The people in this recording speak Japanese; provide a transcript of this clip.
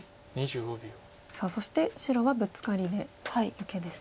さあそして白はブツカリで受けですね。